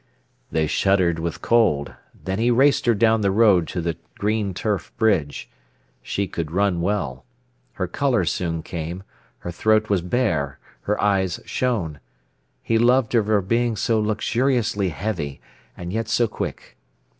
They shuddered with cold; then he raced her down the road to the green turf bridge. She could run well. Her colour soon came, her throat was bare, her eyes shone. He loved her for being so luxuriously heavy, and yet so quick.